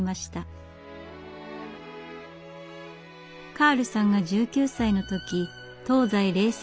カールさんが１９歳の時東西冷戦が激化。